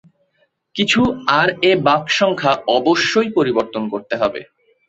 কিছু আর এ বাঁক সংখ্যা অবশ্যই পরিবর্তন করতে হবে।